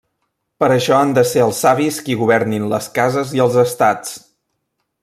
Per això han de ser els savis qui governin les cases i els estats.